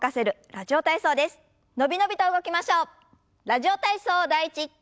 「ラジオ体操第１」。